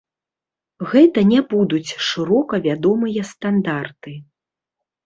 Гэта не будуць шырока вядомыя стандарты.